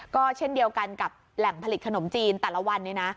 ก็เช่นเดียวกันกับแหล่งผลิตขนมจีนแต่ละวันนี้นะ